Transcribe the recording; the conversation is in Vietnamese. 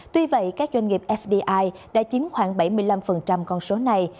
tuy vậy các doanh nghiệp fdi đã chiếm khoảng bảy mươi năm con số này